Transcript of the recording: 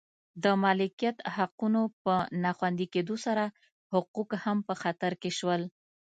د مالکیت حقونو په نا خوندي کېدو سره حقوق هم په خطر کې شول